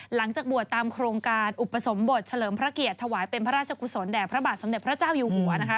หลังจากบวชตามโครงการอุปสมบทเฉลิมพระเกียรติถวายเป็นพระราชกุศลแด่พระบาทสมเด็จพระเจ้าอยู่หัวนะคะ